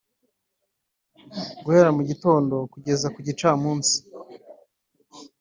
guhera mu gitondo kugeza ku gicamunsi